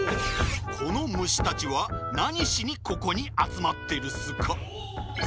このむしたちはなにしにここにあつまってるっすか？